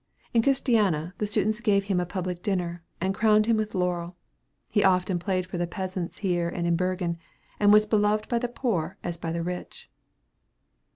In Christiana, the students gave him a public dinner, and crowned him with laurel. He often played for the peasants here and in Bergen, and was beloved by the poor as by the rich.